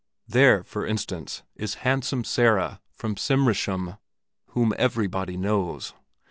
There, for instance, is Handsome Sara from Cimrishamn, whom everybody knows.